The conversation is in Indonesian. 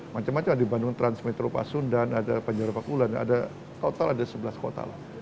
macem macem ada di bandung transmetro pasundan ada banjarabakula ada total ada sebelas kota lah